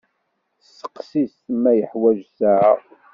Steqsiɣ-t ma yeḥwaǧ ssaɛa.